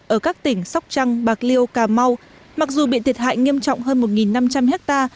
ở các tỉnh sóc trăng bạc liêu cà mau mặc dù bị thiệt hại nghiêm trọng hơn một năm trăm linh ha